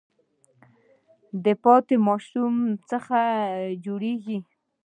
پاتی د ماشو څخه جوړیږي.